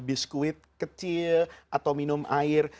biskuit kecil atau minum air